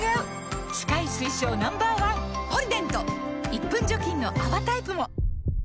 １分除菌の泡タイプも！